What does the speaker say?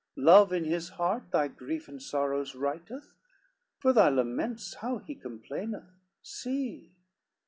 Love in his heart thy grief and sorrows writeth, For thy laments how he complaineth, see.